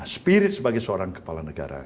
spirit sebagai seorang kepala negara